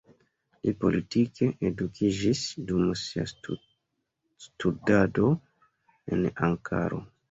Li politike edukiĝis dum sia studado en Ankaro.